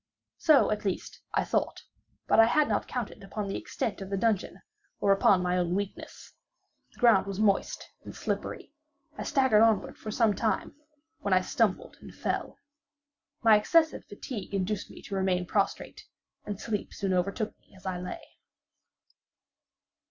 So, at least I thought: but I had not counted upon the extent of the dungeon, or upon my own weakness. The ground was moist and slippery. I staggered onward for some time, when I stumbled and fell. My excessive fatigue induced me to remain prostrate; and sleep soon overtook me as I lay.